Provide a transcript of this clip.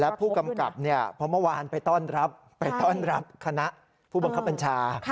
แล้วผู้กำกับเพราะเมื่อวานไปต้อนรับคณะผู้บังคับบัญชา